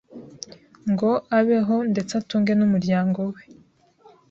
ngo abeho ndetse atunge n’umuryango we